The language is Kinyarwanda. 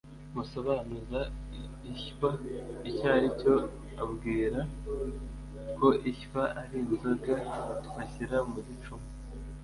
Musobanuza inshywa icyo ari cyo, ambwira ko inshywa ari inzoga bashyira mu gicuma